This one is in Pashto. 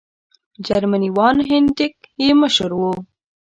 جرمنی وان هینټیګ یې مشر وو.